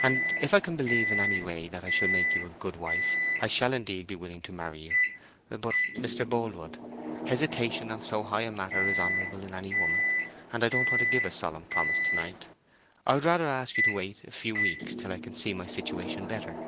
"And if I can believe in any way that I shall make you a good wife I shall indeed be willing to marry you. But, Mr. Boldwood, hesitation on so high a matter is honourable in any woman, and I don't want to give a solemn promise to night. I would rather ask you to wait a few weeks till I can see my situation better.